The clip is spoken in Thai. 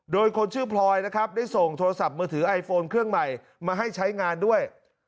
โดยคนชื่อพลอยนะครับได้ส่งโทรศัพท์มือถือไอโฟนเครื่องใหม่มาให้ใช้งานด้วย